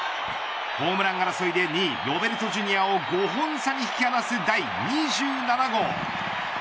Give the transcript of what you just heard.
ホームラン争いで２位ロベルト・ジュニアを５本差に引き離す第２７号。